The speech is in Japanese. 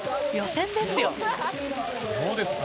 予選ですよ。